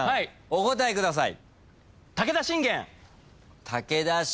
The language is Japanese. お答えください。